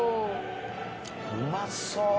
うまそう。